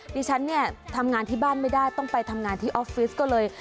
ดิฉันเนี่ยทำงานที่บ้านไม่ได้ต้องไปทำงานที่ออฟฟิศก็เลย